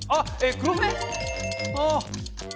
黒船？